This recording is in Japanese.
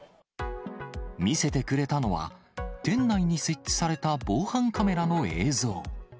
見せてくれたのは、店内に設置された防犯カメラの映像。